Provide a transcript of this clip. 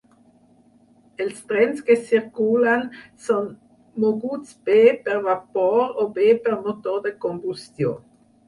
Els trens que circulen són moguts bé per vapor o bé per motor de combustió.